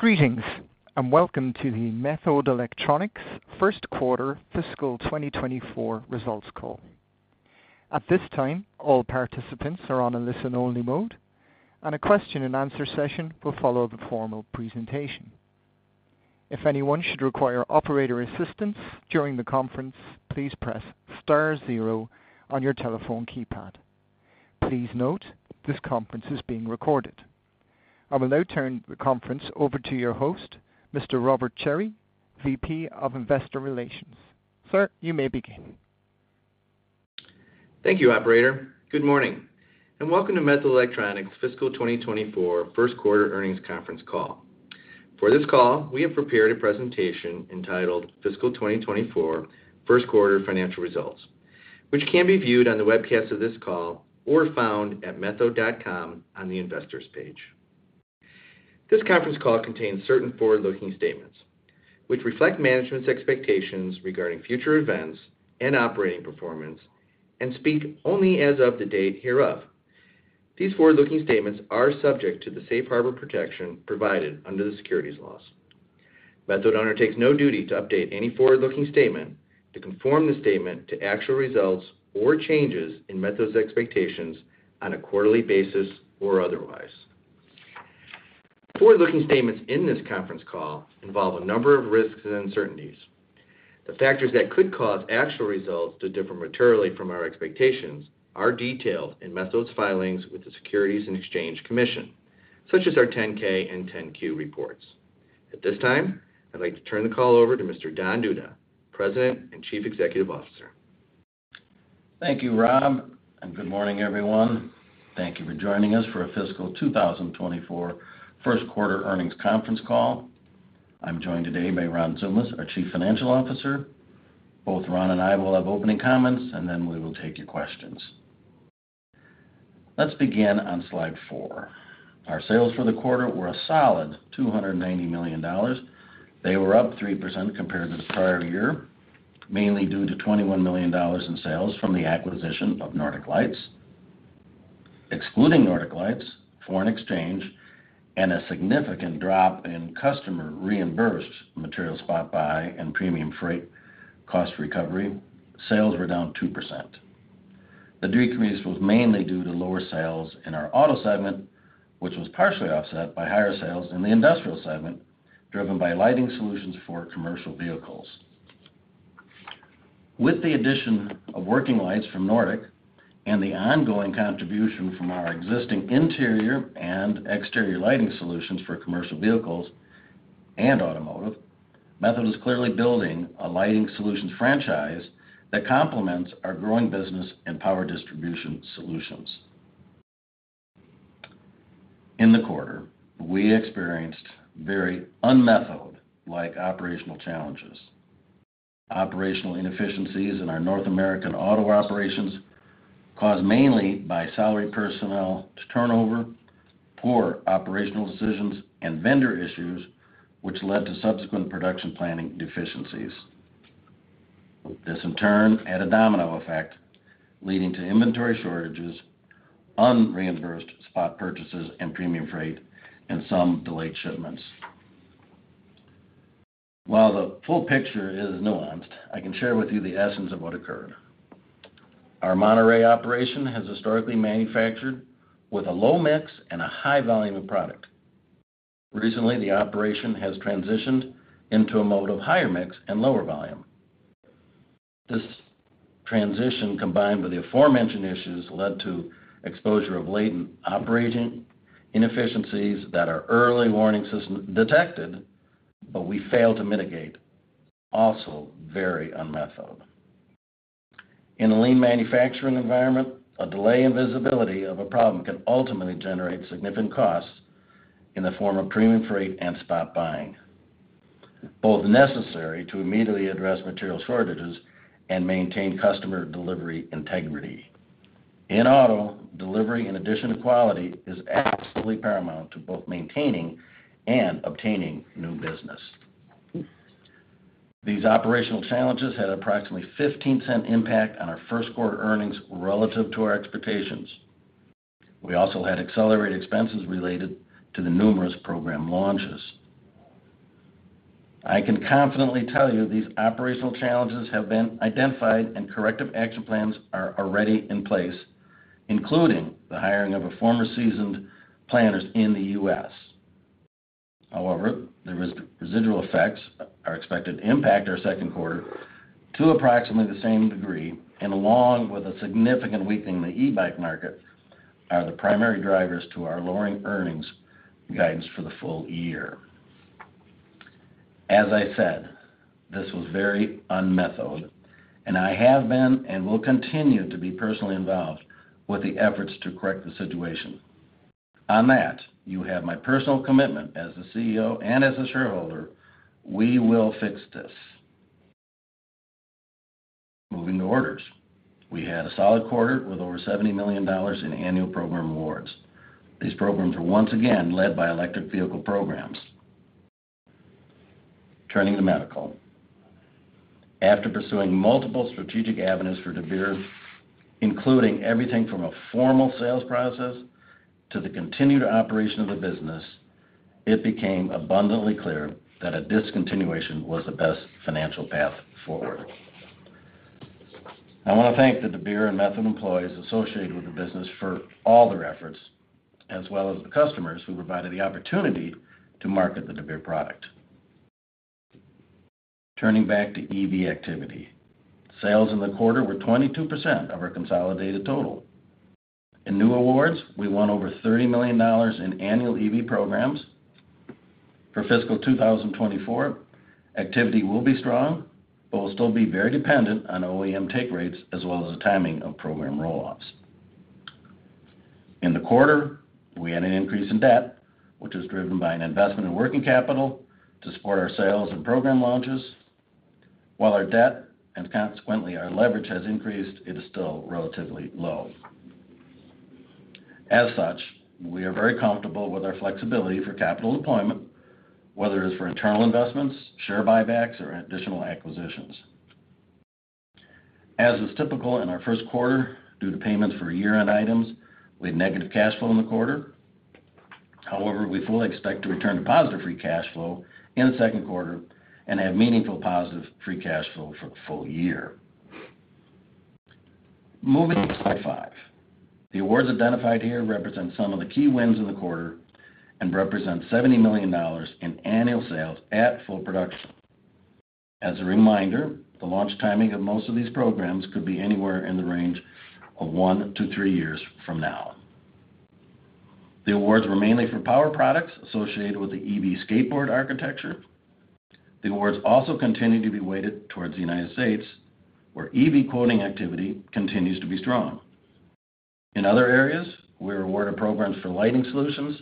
Greetings, and welcome to the Methode Electronics First Quarter Fiscal 2024 Results Call. At this time, all participants are on a listen-only mode, and a question-and-answer session will follow the formal presentation. If anyone should require operator assistance during the conference, please press star zero on your telephone keypad. Please note, this conference is being recorded. I will now turn the conference over to your host, Mr. Robert Cherry, VP of Investor Relations. Sir, you may begin. Thank you, operator. Good morning, and welcome to Methode Electronics Fiscal 2024 First Quarter Earnings Conference Call. For this call, we have prepared a presentation entitled Fiscal 2024 First Quarter Financial Results, which can be viewed on the webcast of this call or found at methode.com on the Investors page. This conference call contains certain forward-looking statements, which reflect management's expectations regarding future events and operating performance and speak only as of the date hereof. These forward-looking statements are subject to the Safe Harbor protection provided under the securities laws. Methode undertakes no duty to update any forward-looking statement to conform the statement to actual results or changes in Methode's expectations on a quarterly basis or otherwise. Forward-looking statements in this conference call involve a number of risks and uncertainties. The factors that could cause actual results to differ materially from our expectations are detailed in Methode's filings with the Securities and Exchange Commission, such as our 10-K and 10-Q reports. At this time, I'd like to turn the call over to Mr. Don Duda, President and Chief Executive Officer. Thank you, Rob, and good morning, everyone. Thank you for joining us for our Fiscal 2024 First Quarter Earnings Conference Call. I'm joined today by Ron Tsoumas, our Chief Financial Officer. Both Ron and I will have opening comments, and then we will take your questions. Let's begin on slide four. Our sales for the quarter were a solid $290 million. They were up 3% compared to the prior year, mainly due to $21 million in sales from the acquisition of Nordic Lights. Excluding Nordic Lights, foreign exchange, and a significant drop in customer reimbursed material spot buy and premium freight cost recovery, sales were down 2%. The decrease was mainly due to lower sales in our auto segment, which was partially offset by higher sales in the industrial segment, driven by lighting solutions for commercial vehicles. With the addition of working lights from Nordic and the ongoing contribution from our existing interior and exterior lighting solutions for commercial vehicles and automotive, Methode is clearly building a lighting solutions franchise that complements our growing business and power distribution solutions. In the quarter, we experienced very un-Methode-like operational challenges. Operational inefficiencies in our North American auto operations, caused mainly by salaried personnel turnover, poor operational decisions, and vendor issues, which led to subsequent production planning deficiencies. This in turn had a domino effect, leading to inventory shortages, unreimbursed spot purchases, and premium freight, and some delayed shipments. While the full picture is nuanced, I can share with you the essence of what occurred. Our Monterrey operation has historically manufactured with a low mix and a high volume of product. Recently, the operation has transitioned into a mode of higher mix and lower volume. This transition, combined with the aforementioned issues, led to exposure of latent operating inefficiencies that our early warning system detected, but we failed to mitigate. Also, very un-Methode. In a lean manufacturing environment, a delay in visibility of a problem can ultimately generate significant costs in the form of premium freight and spot buying, both necessary to immediately address material shortages and maintain customer delivery integrity. In auto, delivery, in addition to quality, is absolutely paramount to both maintaining and obtaining new business. These operational challenges had approximately $0.15 impact on our first quarter earnings relative to our expectations. We also had accelerated expenses related to the numerous program launches. I can confidently tell you these operational challenges have been identified and corrective action plans are already in place, including the hiring of a former seasoned planners in the U.S. However, the residual effects are expected to impact our second quarter to approximately the same degree, and along with a significant weakening in the e-bike market, are the primary drivers to our lowering earnings guidance for the full year. As I said, this was very un-Methode, and I have been and will continue to be personally involved with the efforts to correct the situation. On that, you have my personal commitment as the CEO and as a shareholder, we will fix this. Moving to orders. We had a solid quarter with over $70 million in annual program awards. These programs are once again led by electric vehicle programs. Turning to medical. After pursuing multiple strategic avenues for Dabir, including everything from a formal sales process to the continued operation of the business, it became abundantly clear that a discontinuation was the best financial path forward. I want to thank the Dabir and Methode employees associated with the business for all their efforts, as well as the customers who provided the opportunity to market the Dabir product. Turning back to EV activity. Sales in the quarter were 22% of our consolidated total. In new awards, we won over $30 million in annual EV programs. For fiscal 2024, activity will be strong, but will still be very dependent on OEM take rates as well as the timing of program roll-offs. In the quarter, we had an increase in debt, which is driven by an investment in working capital to support our sales and program launches. While our debt and consequently our leverage has increased, it is still relatively low. As such, we are very comfortable with our flexibility for capital deployment, whether it's for internal investments, share buybacks, or additional acquisitions. As is typical in our first quarter, due to payments for year-end items, we had negative cash flow in the quarter. However, we fully expect to return to positive free cash flow in the second quarter and have meaningful positive free cash flow for the full year. Moving to slide five. The awards identified here represent some of the key wins in the quarter and represent $70 million in annual sales at full production. As a reminder, the launch timing of most of these programs could be anywhere in the range of one to three years from now. The awards were mainly for power products associated with the EV skateboard architecture. The awards also continued to be weighted towards the United States, where EV quoting activity continues to be strong. In other areas, we were awarded programs for lighting solutions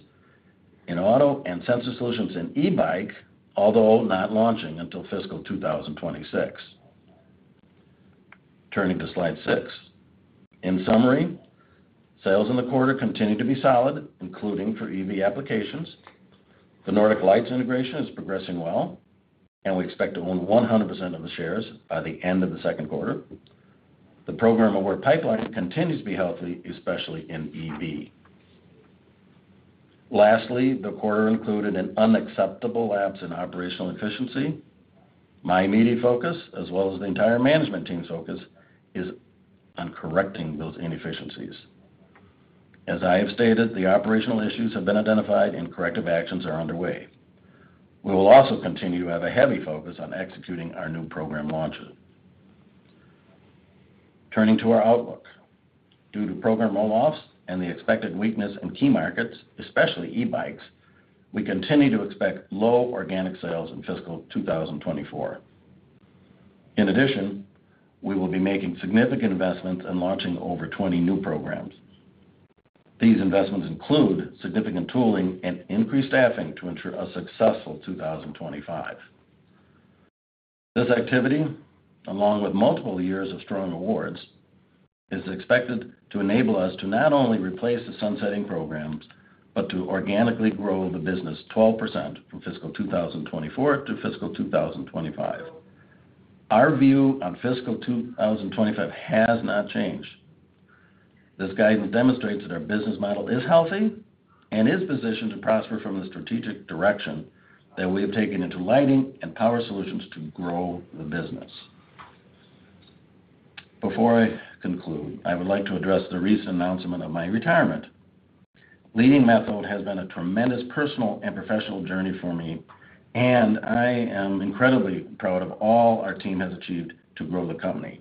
in auto and sensor solutions in e-bike, although not launching until fiscal 2026. Turning to slide six. In summary, sales in the quarter continued to be solid, including for EV applications. The Nordic Lights integration is progressing well, and we expect to own 100% of the shares by the end of the second quarter. The program award pipeline continues to be healthy, especially in EV. Lastly, the quarter included an unacceptable lapse in operational efficiency. My immediate focus, as well as the entire management team's focus, is on correcting those inefficiencies. As I have stated, the operational issues have been identified and corrective actions are underway. We will also continue to have a heavy focus on executing our new program launches. Turning to our outlook. Due to program roll-offs and the expected weakness in key markets, especially e-bikes, we continue to expect low organic sales in fiscal 2024. In addition, we will be making significant investments in launching over 20 new programs. These investments include significant tooling and increased staffing to ensure a successful 2025. This activity, along with multiple years of strong awards, is expected to enable us to not only replace the sunsetting programs, but to organically grow the business 12% from fiscal 2024 to fiscal 2025. Our view on fiscal 2025 has not changed. This guidance demonstrates that our business model is healthy and is positioned to prosper from the strategic direction that we have taken into lighting and power solutions to grow the business. Before I conclude, I would like to address the recent announcement of my retirement. Leading Methode has been a tremendous personal and professional journey for me, and I am incredibly proud of all our team has achieved to grow the company.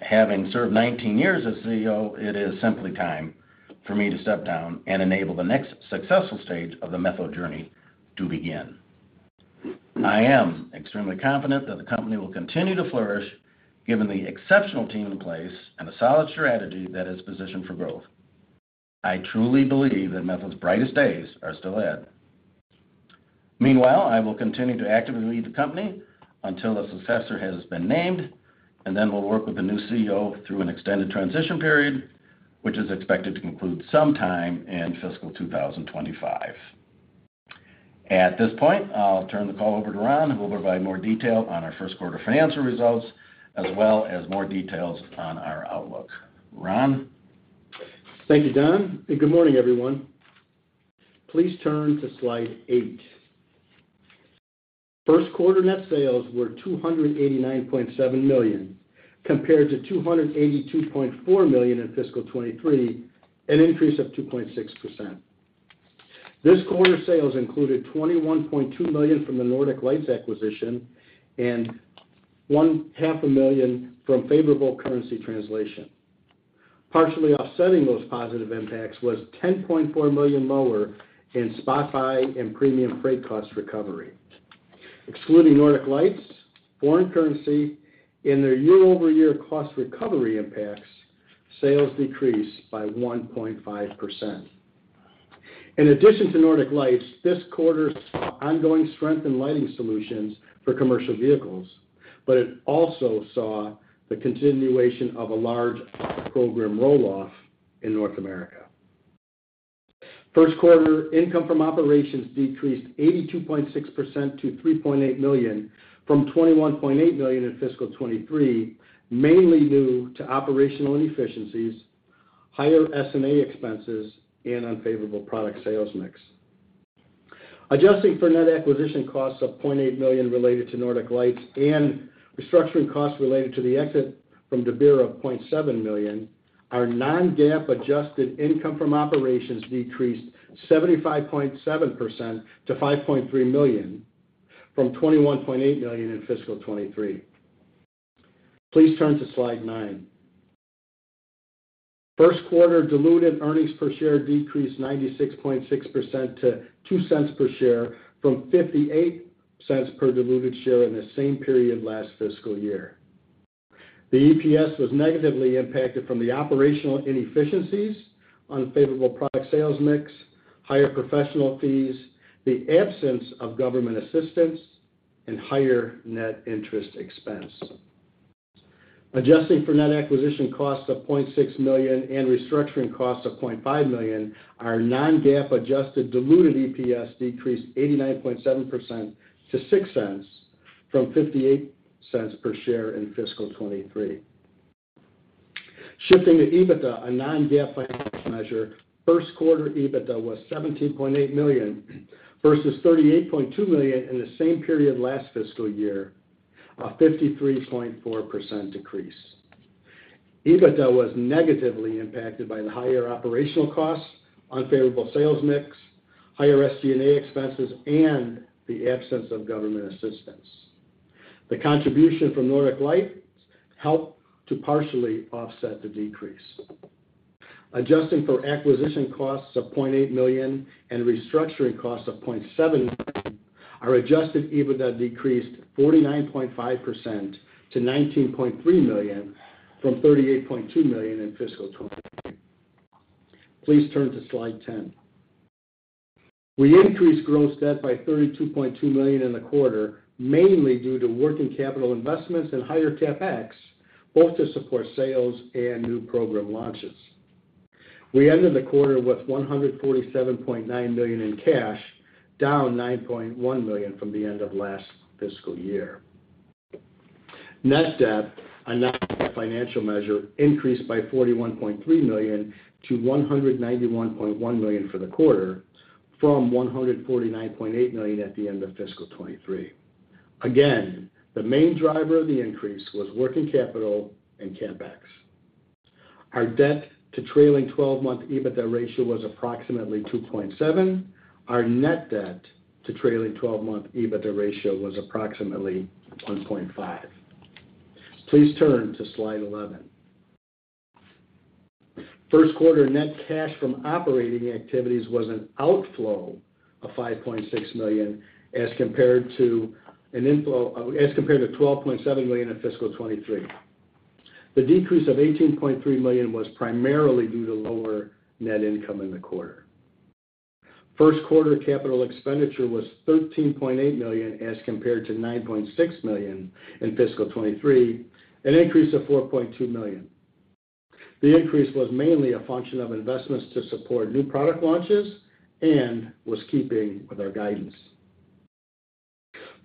Having served 19 years as CEO, it is simply time for me to step down and enable the next successful stage of the Methode journey to begin. I am extremely confident that the company will continue to flourish, given the exceptional team in place and the solid strategy that is positioned for growth. I truly believe that Methode's brightest days are still ahead. Meanwhile, I will continue to actively lead the company until the successor has been named, and then we'll work with the new CEO through an extended transition period, which is expected to conclude sometime in fiscal 2025. At this point, I'll turn the call over to Ron, who will provide more detail on our first quarter financial results, as well as more details on our outlook. Ron? Thank you, Don, and good morning, everyone. Please turn to slide eight. First quarter net sales were $289.7 million, compared to $282.4 million in fiscal 2023, an increase of 2.6%. This quarter's sales included $21.2 million from the Nordic Lights acquisition and $500,000 from favorable currency translation. Partially offsetting those positive impacts was $10.4 million lower in spot buy and premium freight cost recovery. Excluding Nordic Lights, foreign currency, and their year-over-year cost recovery impacts, sales decreased by 1.5%. In addition to Nordic Lights, this quarter saw ongoing strength in lighting solutions for commercial vehicles, but it also saw the continuation of a large program roll-off in North America. First quarter income from operations decreased 82.6% to $3.8 million from $21.8 million in fiscal 2023, mainly due to operational inefficiencies, higher SMA expenses, and unfavorable product sales mix. Adjusting for net acquisition costs of $0.8 million related to Nordic Lights and restructuring costs related to the exit from Dabir of $0.7 million, our non-GAAP adjusted income from operations decreased 75.7% to $5.3 million, from $21.8 million in fiscal 2023. Please turn to Slide nine. First quarter diluted earnings per share decreased 96.6% to $0.02 per share from $0.58 per diluted share in the same period last fiscal year. The EPS was negatively impacted from the operational inefficiencies, unfavorable product sales mix, higher professional fees, the absence of government assistance, and higher net interest expense. Adjusting for net acquisition costs of $0.6 million and restructuring costs of $0.5 million, our non-GAAP adjusted diluted EPS decreased 89.7% to $0.06 from $0.58 per share in fiscal 2023. Shifting to EBITDA, a non-GAAP financial measure, first quarter EBITDA was $17.8 million versus $38.2 million in the same period last fiscal year, a 53.4% decrease. EBITDA was negatively impacted by the higher operational costs, unfavorable sales mix, higher SG&A expenses, and the absence of government assistance. The contribution from Nordic Lights helped to partially offset the decrease. Adjusting for acquisition costs of $0.8 million and restructuring costs of $0.7 million, our adjusted EBITDA decreased 49.5% to $19.3 million from $38.2 million in fiscal 2023. Please turn to Slide 10. We increased gross debt by $32.2 million in the quarter, mainly due to working capital investments and higher CapEx, both to support sales and new program launches. We ended the quarter with $147.9 million in cash, down $9.1 million from the end of last fiscal year. Net debt, a non-GAAP financial measure, increased by $41.3 million to $191.1 million for the quarter, from $149.8 million at the end of fiscal 2023. Again, the main driver of the increase was working capital and CapEx. Our debt to trailing twelve-month EBITDA ratio was approximately 2.7. Our net debt to trailing 12-month EBITDA ratio was approximately 1.5. Please turn to Slide 11. First quarter net cash from operating activities was an outflow of $5.6 million, as compared to an inflow of $12.7 million in fiscal 2023. The decrease of $18.3 million was primarily due to lower net income in the quarter. First quarter capital expenditure was $13.8 million, as compared to $9.6 million in fiscal 2023, an increase of $4.2 million. The increase was mainly a function of investments to support new product launches and was keeping with our guidance.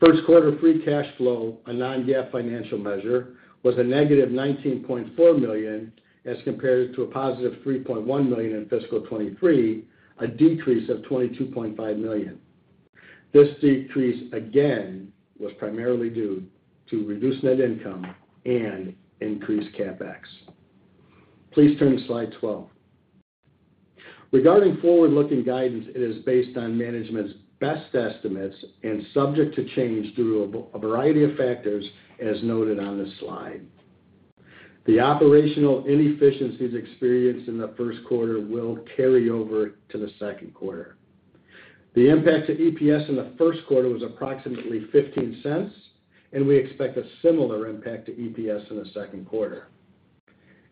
First quarter free cash flow, a non-GAAP financial measure, was a negative $19.4 million, as compared to a +$3.1 million in fiscal 2023, a decrease of $22.5 million. This decrease, again, was primarily due to reduced net income and increased CapEx. Please turn to Slide 12. Regarding forward-looking guidance, it is based on management's best estimates and subject to change through a variety of factors, as noted on this slide. The operational inefficiencies experienced in the first quarter will carry over to the second quarter. The impact to EPS in the first quarter was approximately $0.15, and we expect a similar impact to EPS in the second quarter.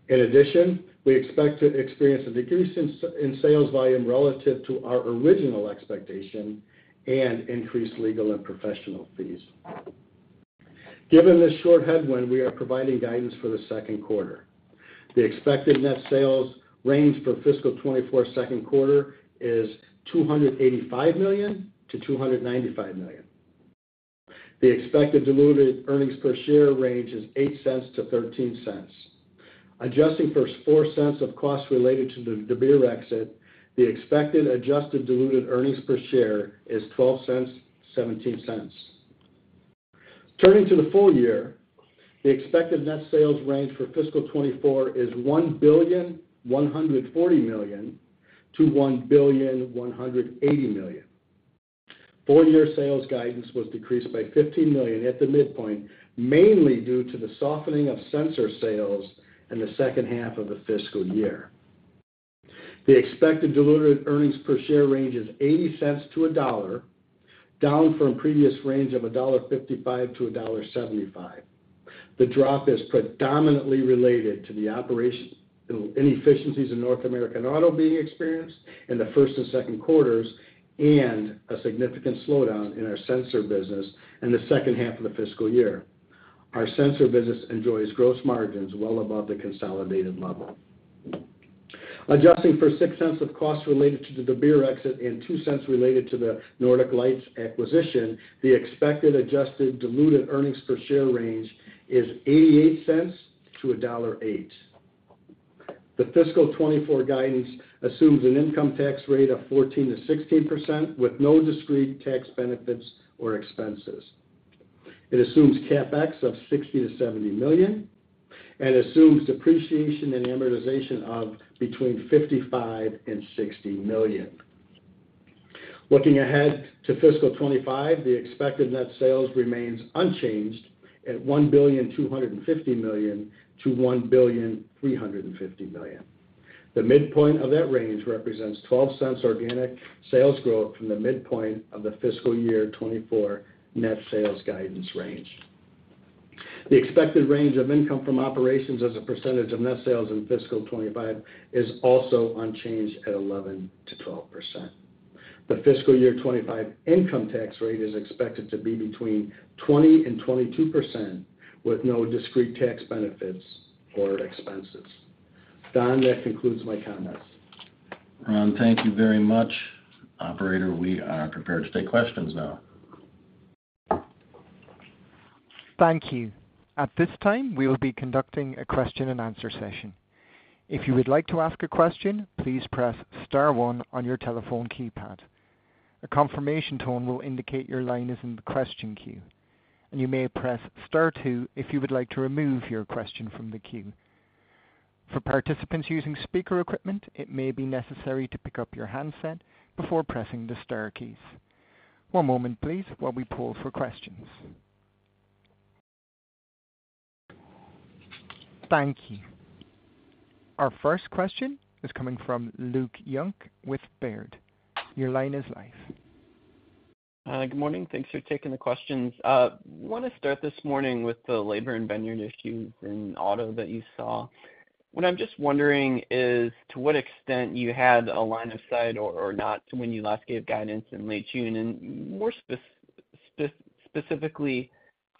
In addition, we expect to experience a decrease in sales volume relative to our original expectation and increased legal and professional fees. Given this short headwind, we are providing guidance for the second quarter. The expected net sales range for fiscal 2024 second quarter is $285 million-$295 million. The expected diluted earnings per share range is $0.08-$0.13. Adjusting for four cents of costs related to the Dabir exit, the expected adjusted diluted earnings per share is $0.12-$0.17. Turning to the full year, the expected net sales range for fiscal 2024 is $1.14 billion-$1.18 billion. Full year sales guidance was decreased by $15 million at the midpoint, mainly due to the softening of sensor sales in the second half of the fiscal year. The expected diluted earnings per share range is $0.80-$1.00, down from previous range of $1.55-$1.75. The drop is predominantly related to the operational inefficiencies in North American Auto being experienced in the first and second quarters, and a significant slowdown in our sensor business in the second half of the fiscal year. Our sensor business enjoys gross margins well above the consolidated level. Adjusting for $0.06 of costs related to the Dabir exit and $0.02 related to the Nordic Lights acquisition, the expected adjusted diluted earnings per share range is $0.88-$1.08. The fiscal 2024 guidance assumes an income tax rate of 14%-16%, with no discrete tax benefits or expenses. It assumes CapEx of $60 million-$70 million, and assumes depreciation and amortization of between $55 million and $60 million. Looking ahead to fiscal 2025, the expected net sales remains unchanged at $1.25 billion-$1.35 billion. The midpoint of that range represents 12% organic sales growth from the midpoint of the fiscal 2024 net sales guidance range. The expected range of income from operations as a percentage of net sales in fiscal 2025, is also unchanged at 11%-12%. The fiscal 2025 income tax rate is expected to be between 20% and 22%, with no discrete tax benefits or expenses. Don, that concludes my comments. Ron, thank you very much. Operator, we are prepared to take questions now. Thank you. At this time, we will be conducting a question and answer session. If you would like to ask a question, please press star one on your telephone keypad. A confirmation tone will indicate your line is in the question queue, and you may press star two if you would like to remove your question from the queue. For participants using speaker equipment, it may be necessary to pick up your handset before pressing the star keys. One moment, please, while we pull for questions. Thank you. Our first question is coming from Luke Junk with Baird. Your line is live. Good morning. Thanks for taking the questions. I want to start this morning with the labor and vendor issues in auto that you saw. What I'm just wondering is, to what extent you had a line of sight or not to when you last gave guidance in late June, and more specifically,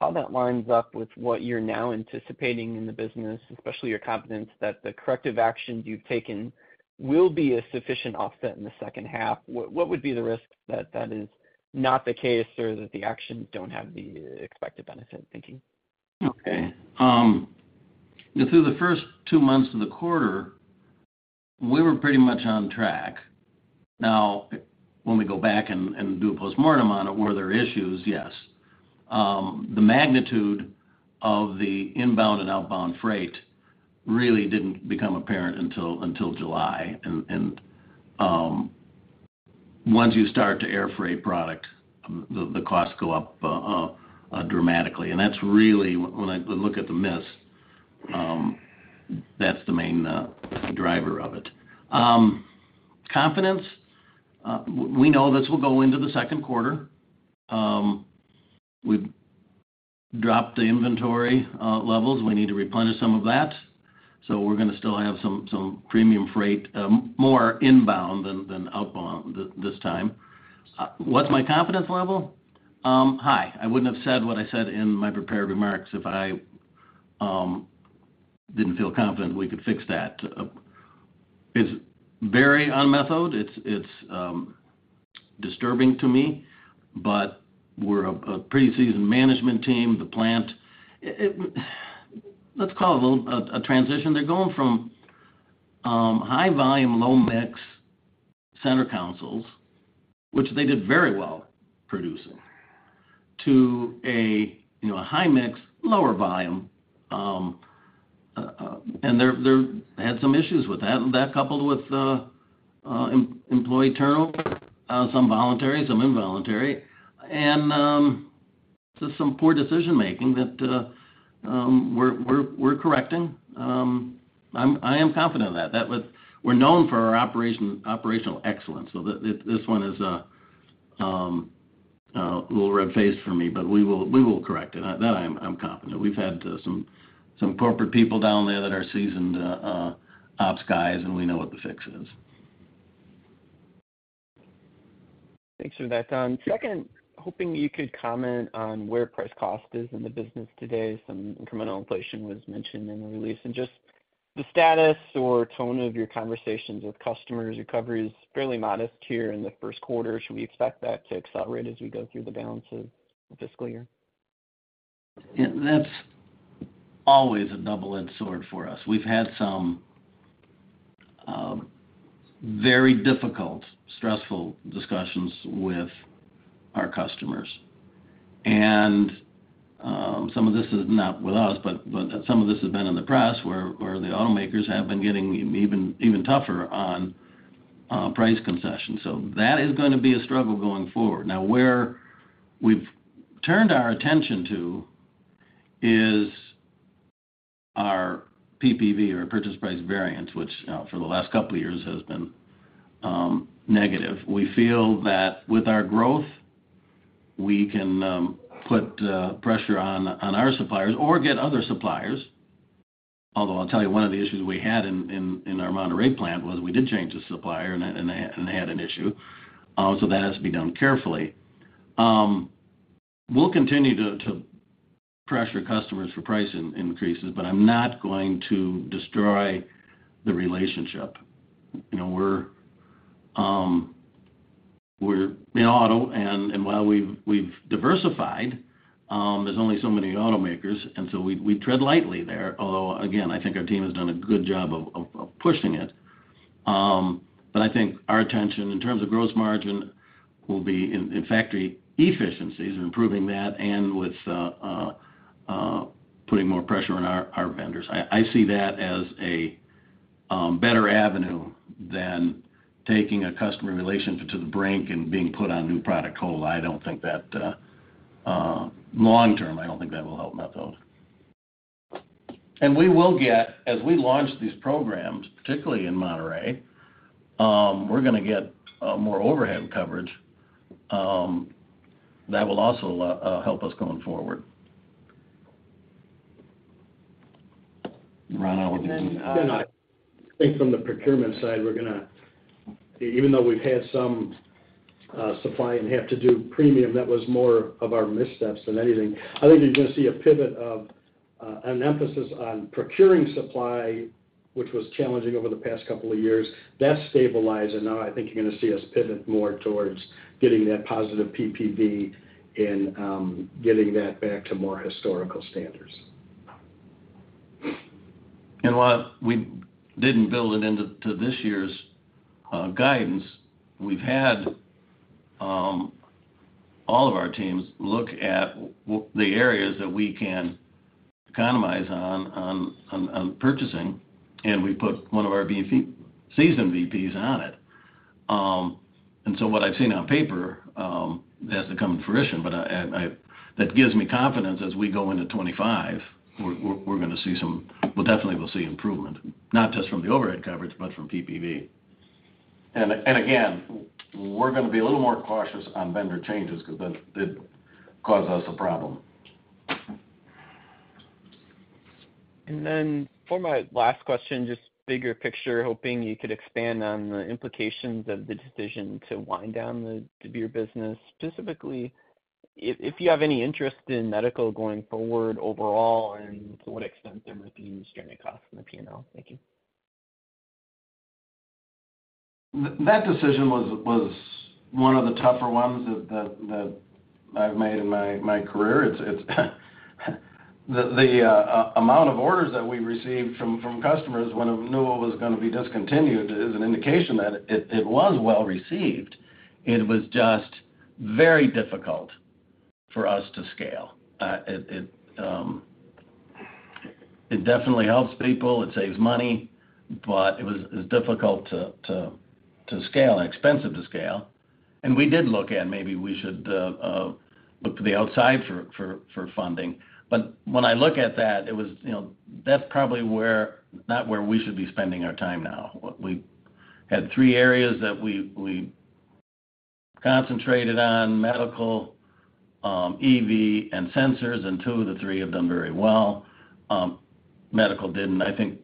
how that lines up with what you're now anticipating in the business, especially your confidence that the corrective actions you've taken will be a sufficient offset in the second half. What would be the risks that is not the case or that the actions don't have the expected benefit? Thank you. Okay. Through the first two months of the quarter, we were pretty much on track. Now, when we go back and do a postmortem on it, were there issues? Yes. The magnitude of the inbound and outbound freight really didn't become apparent until July. And once you start to air freight product, the costs go up dramatically. And that's really, when I look at the miss, that's the main driver of it. Confidence, we know this will go into the second quarter. We've dropped the inventory levels. We need to replenish some of that, so we're gonna still have some premium freight, more inbound than outbound this time. What's my confidence level? High. I wouldn't have said what I said in my prepared remarks if I didn't feel confident we could fix that. It's very un-Methode. It's disturbing to me, but we're a pretty seasoned management team. The plant, it— Let's call it a transition. They're going from high volume, low mix, center consoles, which they did very well producing, to you know, a high mix, lower volume. And they've had some issues with that. That coupled with employee turnover, some voluntary, some involuntary, and just some poor decision making that we're correcting. I'm— I am confident that would... We're known for our operational excellence, so this one is a little red-faced for me, but we will correct it. That I'm confident. We've had some corporate people down there that are seasoned ops guys, and we know what the fix is. Thanks for that, Don. Second, hoping you could comment on where price cost is in the business today. Some incremental inflation was mentioned in the release, and just the status or tone of your conversations with customers, recovery is fairly modest here in the first quarter. Should we expect that to accelerate as we go through the balance of the fiscal year? Yeah, that's always a double-edged sword for us. We've had some very difficult, stressful discussions with our customers. And some of this is not with us, but some of this has been in the press, where the automakers have been getting even tougher on price concessions. So that is gonna be a struggle going forward. Now, where we've turned our attention to is our PPV, or purchase price variance, which for the last couple of years has been negative. We feel that with our growth, we can put pressure on our suppliers or get other suppliers. Although, I'll tell you, one of the issues we had in our Monterrey plant was we did change the supplier, and they had an issue. So that has to be done carefully. We'll continue to... Pressure customers for price increases, but I'm not going to destroy the relationship. You know, we're in auto, and while we've diversified, there's only so many automakers, and so we tread lightly there, although, again, I think our team has done a good job of pushing it. But I think our attention, in terms of gross margin, will be in factory efficiencies and improving that and with putting more pressure on our vendors. I see that as a better avenue than taking a customer relationship to the brink and being put on new product hold. I don't think that, long term, I don't think that will help Methode. As we launch these programs, particularly in Monterrey, we're gonna get more overhead coverage that will also help us going forward. Ron, would you- Then, I think from the procurement side, we're gonna even though we've had some supply and have to do premium, that was more of our missteps than anything. I think you're gonna see a pivot of an emphasis on procuring supply, which was challenging over the past couple of years. That's stabilizing. Now, I think you're gonna see us pivot more towards getting that positive PPV and getting that back to more historical standards. And while we didn't build it into this year's guidance, we've had all of our teams look at the areas that we can economize on purchasing, and we put one of our VP seasoned VPs on it. And so what I've seen on paper, it has to come to fruition, but that gives me confidence as we go into 25, we're gonna see some. We'll definitely see improvement, not just from the overhead coverage, but from PPV. And again, we're gonna be a little more cautious on vendor changes because that did cause us a problem. And then for my last question, just bigger picture, hoping you could expand on the implications of the decision to wind down the Dabir business. Specifically, if you have any interest in medical going forward overall, and to what extent there might be any cost in the P&L? Thank you. That decision was one of the tougher ones that I've made in my career. It's the amount of orders that we received from customers when they knew it was gonna be discontinued, is an indication that it was well received. It was just very difficult for us to scale. It definitely helps people, it saves money, but it was difficult to scale and expensive to scale. And we did look at maybe we should look to the outside for funding. But when I look at that, it was, you know, that's probably where, not where we should be spending our time now. We had three areas that we concentrated on, medical, EV, and sensors, and two of the three have done very well. Medical didn't. I think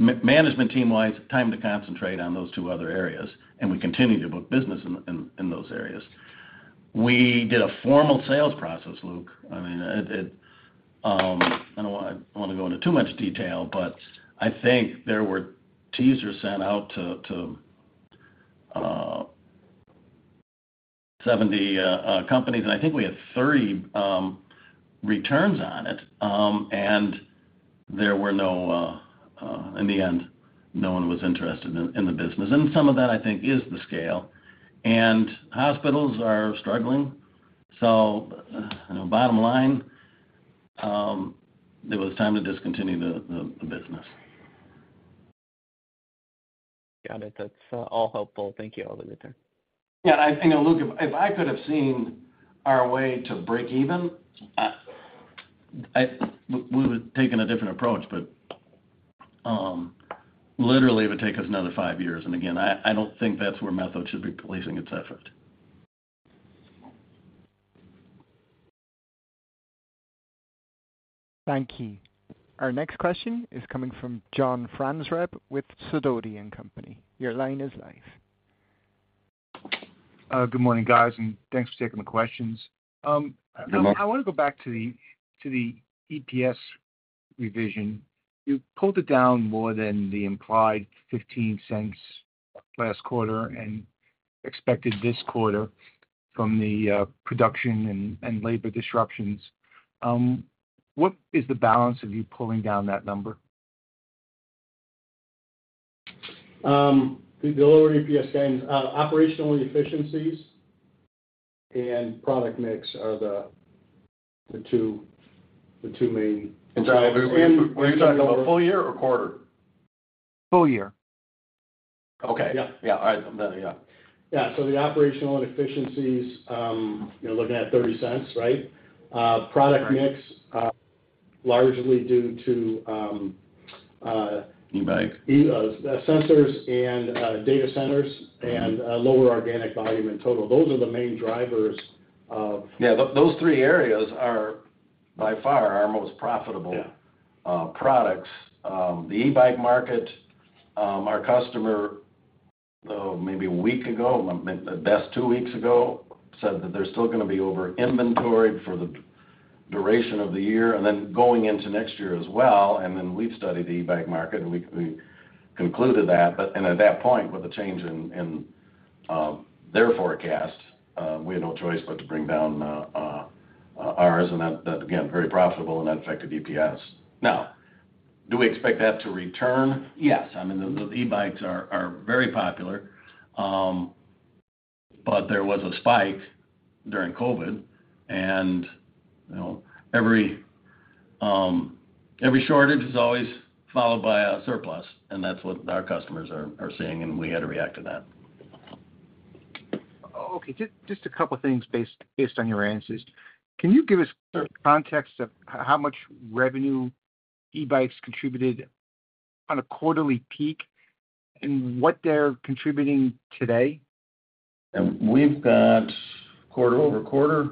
management team-wise, time to concentrate on those two other areas, and we continue to book business in those areas. We did a formal sales process, Luke. I mean, I don't want to go into too much detail, but I think there were teasers sent out to seventy companies, and I think we had thirty returns on it. And there were no... In the end, no one was interested in the business, and some of that, I think, is the scale. And hospitals are struggling, so bottom line, it was time to discontinue the business. Got it. That's all helpful. Thank you, all again. Yeah, I think, Luke, if I could have seen our way to break even, we would have taken a different approach, but literally, it would take us another five years. And again, I don't think that's where Methode should be placing its effort. Thank you. Our next question is coming from John Franzreb with Sidoti & Company. Your line is live. Good morning, guys, and thanks for taking the questions. Good morning. I want to go back to the EPS revision. You pulled it down more than the implied $0.15 last quarter and expected this quarter from the production and labor disruptions. What is the balance of you pulling down that number? The lower EPS gains, operational efficiencies and product mix are the two main- Are you talking about full year or quarter? Full year. Okay. Yeah. Yeah. All right. Then, yeah. Yeah, so the operational and efficiencies, you're looking at $0.30, right? Product mix, largely due to, E-bikes. Sensors and data centers, and lower organic volume in total. Those are the main drivers of- Yeah, but those three areas are by far our most profitable- Yeah... products. The e-bike market, our customer... So maybe a week ago, maybe at best two weeks ago, said that they're still gonna be over-inventoried for the duration of the year, and then going into next year as well. And then we've studied the e-bike market, and we concluded that. And at that point, with the change in their forecast, we had no choice but to bring down ours, and that, again, very profitable, and that affected EPS. Now, do we expect that to return? Yes. I mean, the e-bikes are very popular. But there was a spike during COVID, and, you know, every shortage is always followed by a surplus, and that's what our customers are seeing, and we had to react to that. Okay, just a couple things based on your answers. Can you give us context of how much revenue e-bikes contributed on a quarterly peak and what they're contributing today? We've got quarter-over-quarter?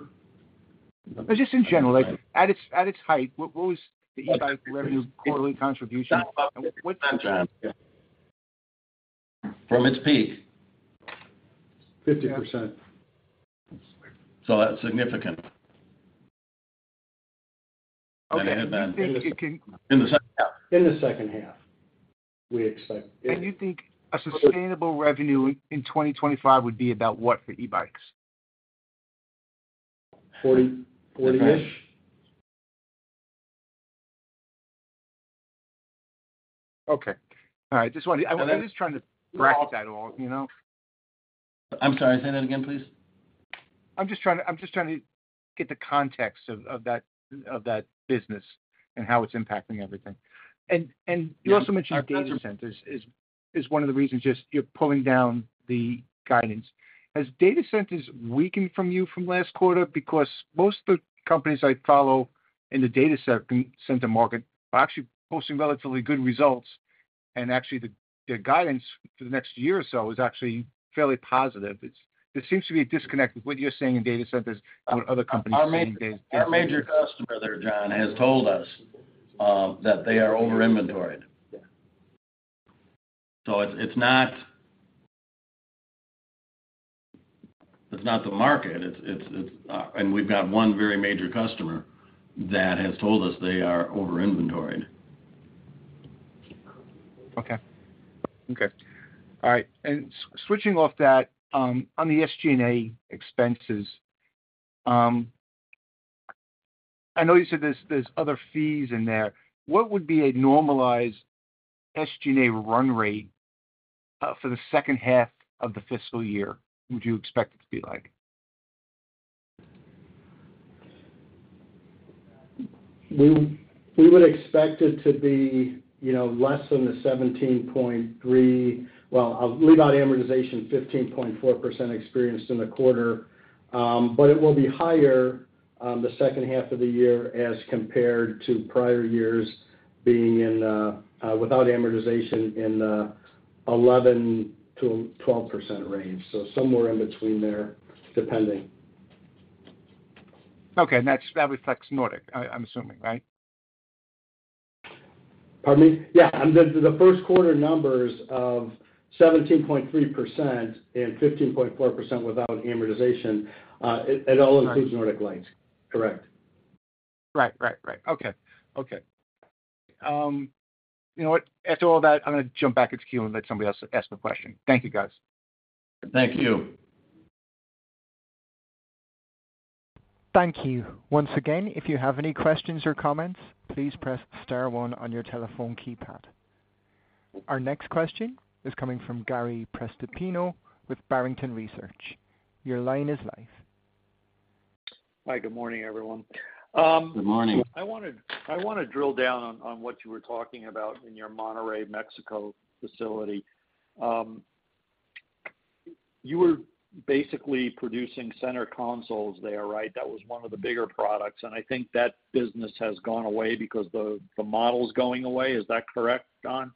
Just in general, like, at its height, what was the e-bike revenue quarterly contribution? From its peak? Fifty percent. So that's significant. Okay. In the second half. In the second half, we expect. You think a sustainable revenue in 2025 would be about what for e-bikes? Forty, 40-ish. Okay. All right. Just wanted... I was just trying to bracket that all, you know? I'm sorry, say that again, please. I'm just trying to get the context of that business and how it's impacting everything. And you also mentioned- Yeah... data centers is one of the reasons just you're pulling down the guidance. Has data centers weakened from you from last quarter? Because most of the companies I follow in the data center market are actually posting relatively good results, and actually the guidance for the next year or so is actually fairly positive. There seems to be a disconnect with what you're seeing in data centers and what other companies are seeing. Our major customer there, John, has told us that they are over-inventoried. Yeah. It's not the market. It's... And we've got one very major customer that has told us they are over-inventoried. Okay. Okay. All right, and switching off that, on the SG&A expenses, I know you said there's, there's other fees in there. What would be a normalized SG&A run rate, for the second half of the fiscal year, would you expect it to be like? We would expect it to be, you know, less than the 17.3%... Well, leave out amortization, 15.4% experienced in the quarter. But it will be higher, the second half of the year as compared to prior years, being in without amortization in 11%-12% range. So somewhere in between there, depending. Okay, and that reflects Nordic, I'm assuming, right? Pardon me? Yeah, and the first quarter numbers of 17.3% and 15.4% without amortization, it all includes- Right... Nordic Lights. Correct. Right, right, right. Okay. Okay. You know what? After all that, I'm gonna jump back into queue and let somebody else ask the question. Thank you, guys. Thank you. Thank you. Once again, if you have any questions or comments, please press star one on your telephone keypad. Our next question is coming from Gary Prestopino with Barrington Research. Your line is live. Hi, good morning, everyone. Good morning. I wanna drill down on what you were talking about in your Monterrey, Mexico, facility. You were basically producing center consoles there, right? That was one of the bigger products, and I think that business has gone away because the model is going away. Is that correct, Don?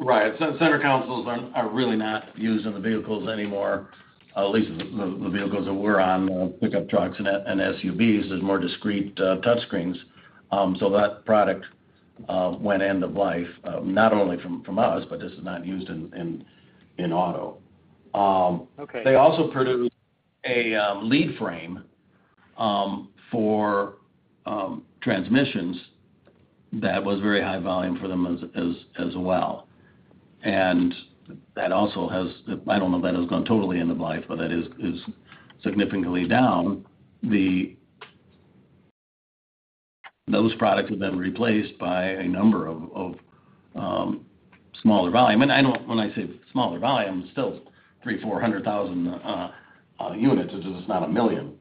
Right. Center consoles are really not used in the vehicles anymore, at least the vehicles that we're on, pickup trucks and SUVs. There's more discrete touchscreens. So that product went end of life, not only from us, but this is not used in auto. Okay. They also produced a lead frame for transmissions that was very high volume for them as well. And that also has—I don't know if that has gone totally end of life, but that is significantly down. Those products have been replaced by a number of smaller volume. And I know when I say smaller volume, it's still 300,000, 400,000 units. It's just not 1 million.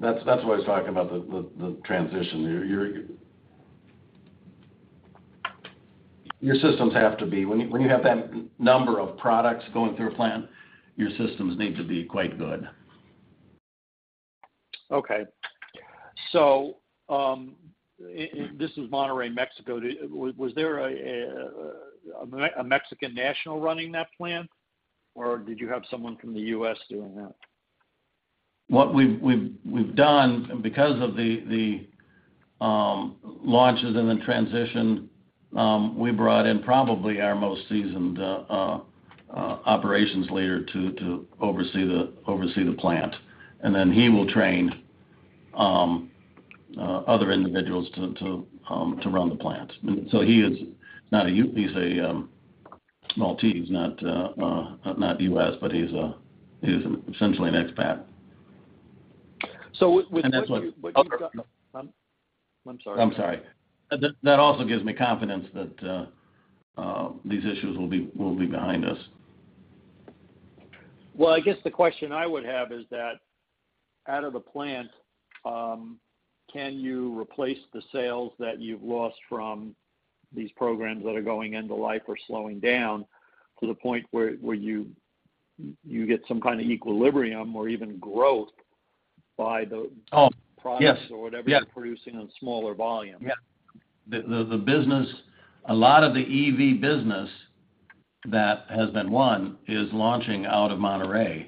That's why I was talking about the transition. Your systems have to be—when you have that number of products going through a plant, your systems need to be quite good. Okay. So, this is Monterrey, Mexico. Was there a Mexican national running that plant, or did you have someone from the U.S. doing that?... what we've done, because of the launches and the transition, we brought in probably our most seasoned operations leader to oversee the plant. And then he will train other individuals to run the plant. So he is not a U.S. He's a Maltese, not U.S., but he's essentially an expert. So with And that's what- I'm sorry. I'm sorry. That also gives me confidence that these issues will be behind us. Well, I guess the question I would have is that, out of the plant, can you replace the sales that you've lost from these programs that are going end-of-life or slowing down, to the point where you get some kind of equilibrium or even growth by the- Oh, yes. -products or whatever- Yeah. you're producing on smaller volume? Yeah. The business, a lot of the EV business that has been won is launching out of Monterrey.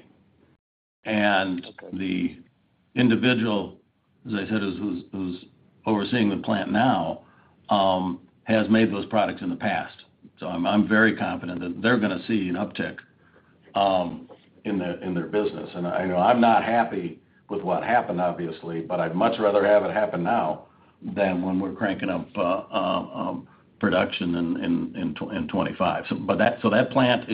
And the individual, as I said, who's overseeing the plant now has made those products in the past. So I'm very confident that they're gonna see an uptick in their business. And I know I'm not happy with what happened, obviously, but I'd much rather have it happen now than when we're cranking up production in 2025. So that plant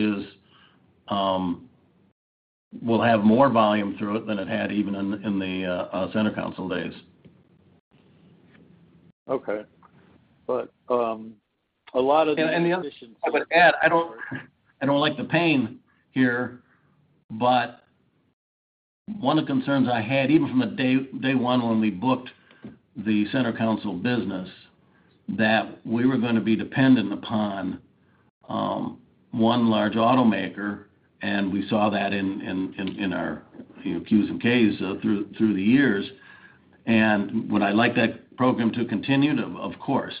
will have more volume through it than it had even in the center console days. Okay. But, a lot of the I would add, I don't like the pain here, but one of the concerns I had, even from day one, when we booked the center console business, that we were gonna be dependent upon one large automaker, and we saw that in our, you know, Qs and Ks through the years. Would I like that program to continue? Of course,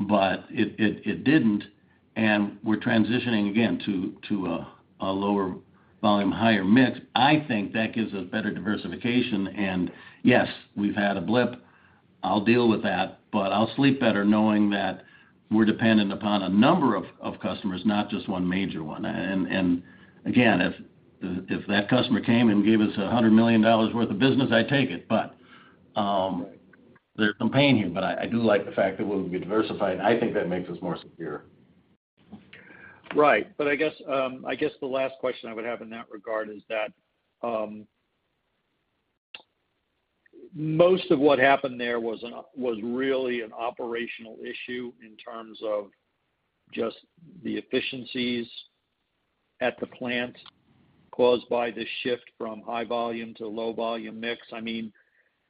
but it didn't, and we're transitioning again to a lower volume, higher mix. I think that gives us better diversification, and yes, we've had a blip. I'll deal with that, but I'll sleep better knowing that we're dependent upon a number of customers, not just one major one. And again, if that customer came and gave us $100 million worth of business, I'd take it, but there's some pain here. But I do like the fact that we'll be diversified, and I think that makes us more secure. Right. But I guess the last question I would have in that regard is that most of what happened there was really an operational issue in terms of just the efficiencies at the plant caused by the shift from high volume to low volume mix. I mean,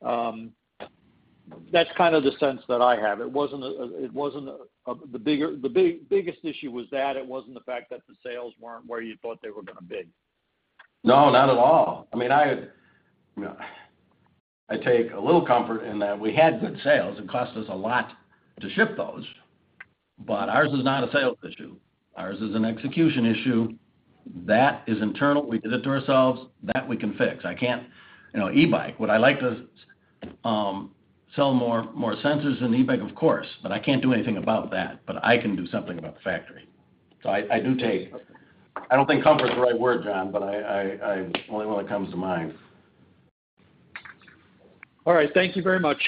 that's kind of the sense that I have. It wasn't the biggest issue. It wasn't the fact that the sales weren't where you thought they were gonna be. No, not at all. I mean, you know, I take a little comfort in that we had good sales. It cost us a lot to ship those, but ours is not a sales issue. Ours is an execution issue that is internal. We did it to ourselves, that we can fix. I can't, you know, e-bike. Would I like to sell more, more sensors than e-bike? Of course, but I can't do anything about that, but I can do something about the factory. So I do take... I don't think comfort is the right word, John, but I only one that comes to mind. All right. Thank you very much.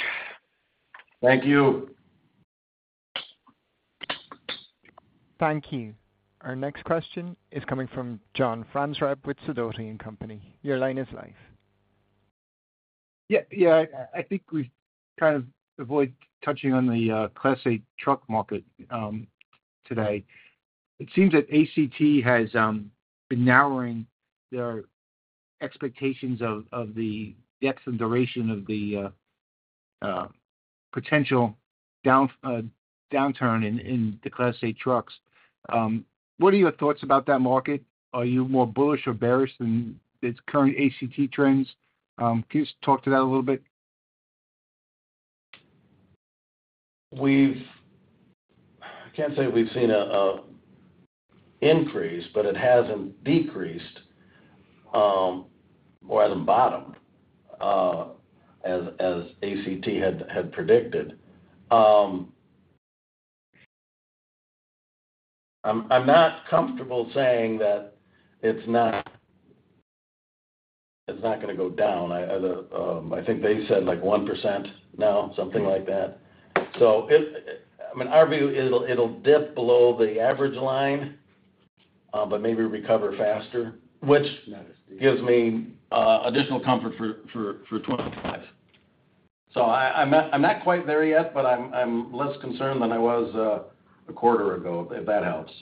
Thank you. Thank you. Our next question is coming from John Franzreb with Sidoti & Company. Your line is live. Yeah. Yeah, I think we've kind of avoid touching on the Class 8 truck market today. It seems that ACT has been narrowing their expectations of the depth and duration of the potential downturn in the Class 8 trucks. What are your thoughts about that market? Are you more bullish or bearish than its current ACT trends? Can you just talk to that a little bit? We've I can't say we've seen an increase, but it hasn't decreased, or at the bottom, as ACT had predicted. I'm not comfortable saying that it's not gonna go down. I think they said, like, 1% now, something like that. So if, I mean, our view, it'll dip below the average line, but maybe recover faster, which gives me additional comfort for 25. So I'm not quite there yet, but I'm less concerned than I was a quarter ago, if that helps.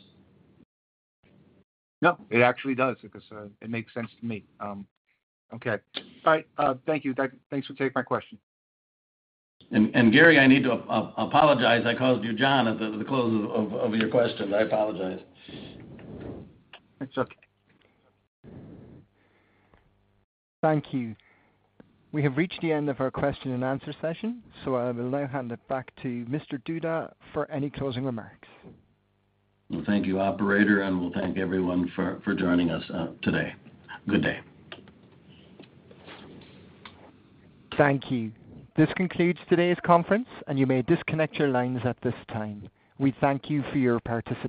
Yeah, it actually does because, it makes sense to me. Okay. All right, thank you. Thanks for taking my question. And, Gary, I need to apologize. I called you John at the close of your question. I apologize. It's okay. Thank you. We have reached the end of our question and answer session, so I will now hand it back to Mr. Duda for any closing remarks. Well, thank you, operator, and we'll thank everyone for joining us today. Good day. Thank you. This concludes today's conference, and you may disconnect your lines at this time. We thank you for your participation.